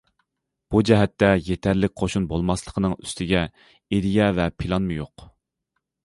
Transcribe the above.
بۇ جەھەتتە يېتەرلىك قوشۇن بولماسلىقنىڭ ئۈستىگە، ئىدىيە ۋە پىلانمۇ يوق.